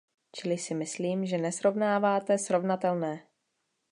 Čili si myslím, že nesrovnáváte srovnatelné.